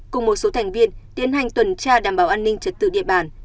cùng một số thành viên tiến hành tuần tra đảm bảo an ninh trật tự địa bàn